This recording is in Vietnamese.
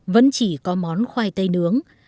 vẫn chỉ có món khoai tây nướng